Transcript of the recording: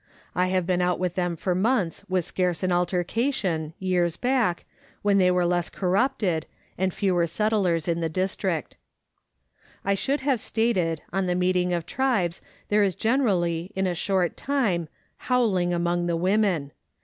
I have often been out with them for months with scarce an altercation, years back, when they were less corrupted, and fewer settlers in the district. I should have stated, on the meeting of tribes there is generally, in a short time, howling among the women.